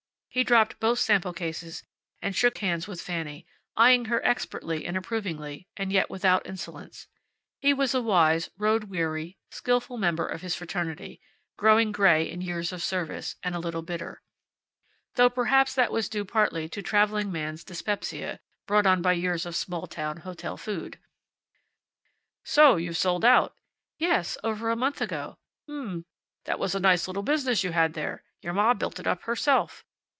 He dropped both sample cases and shook hands with Fanny, eying her expertly and approvingly, and yet without insolence. He was a wise, road weary, skillful member of his fraternity, grown gray in years of service, and a little bitter. Though perhaps that was due partly to traveling man's dyspepsia, brought on by years of small town hotel food. "So you've sold out." "Yes. Over a month ago." "H'm. That was a nice little business you had there. Your ma built it up herself.